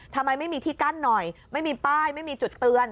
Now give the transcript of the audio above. ทำไมไม่มีที่กั้นหน่อยไม่มีป้ายไม่มีจุดเตือน